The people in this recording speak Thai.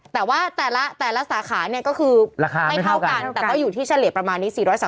แต่ว่าแต่ละสาขาไม่เท่ากันแต่ก็อยู่ที่เฉลี่ยประมาณ๔๓๐๖๕๐